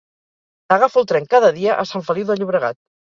Agafo el tren cada dia a Sant Feliu de Llobregat